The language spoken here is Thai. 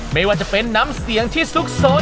ไม่ว่าจะเป็นน้ำเสียงที่ซุกสน